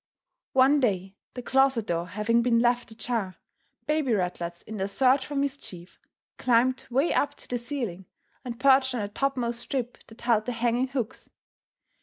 One day the closet door having been left ajar, baby ratlets in their search for mischief, climbed way up to the ceiling and perched on the topmost strip that held the hanging hooks.